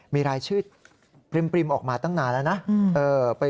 มีรายชื่อปริมออกมาตั้งนานแล้วนะ